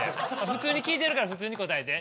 普通に聞いてるから普通に答えて。